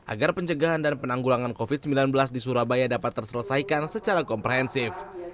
agar pencegahan dan penanggulangan covid sembilan belas di surabaya dapat terselesaikan secara komprehensif